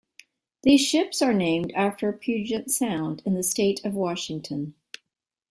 These ships are named after Puget Sound in the state of Washington.